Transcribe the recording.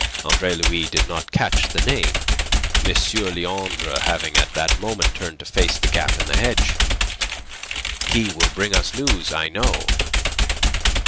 (Andre Louis did not catch the name, M. Leandre having at that moment turned to face the gap in the hedge.) "He will bring us news, I know."